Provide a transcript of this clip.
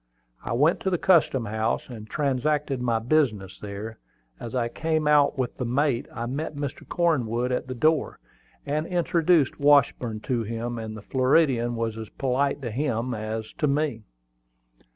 I went to the custom house, and transacted my business there. As I came out with the mate, I met Mr. Cornwood at the door. I introduced Washburn to him; and the Floridian was as polite to him as to me.